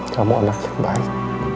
kamu anak yang baik